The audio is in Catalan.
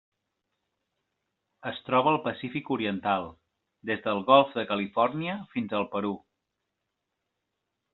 Es troba al Pacífic oriental: des del Golf de Califòrnia fins al Perú.